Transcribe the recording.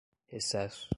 recesso